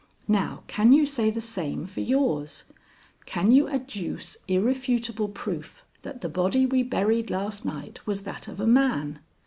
Now can you say the same for yours? Can you adduce irrefutable proof that the body we buried last night was that of a man?